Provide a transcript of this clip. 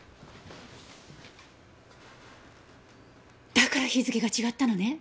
だから日付が違ったのね。